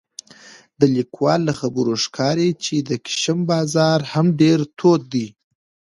د لیکوال له خبرو ښکاري چې د کشم بازار هم ډېر تود دی